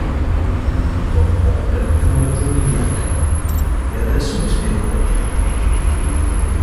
In poche parole, hanno ragione gli hacker e adesso vi spiego perché!